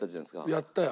やったよ。